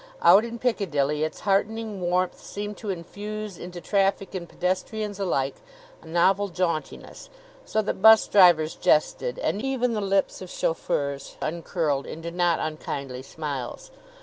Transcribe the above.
Out in Piccadilly its heartening warmth seemed to infuse into traffic and pedestrians alike a novel jauntiness, so that bus drivers jested and even the lips of chauffeurs uncurled into not unkindly smiles.